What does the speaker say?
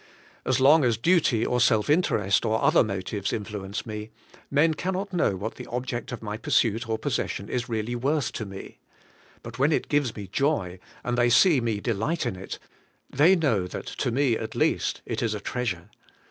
As long as duty, or self interest, or other motives influence me, men cannot know what the object of my pursuit or possession is really worth to me. But when it gives me joy, and they see me delight in it, they know that to me at least it is a treasure.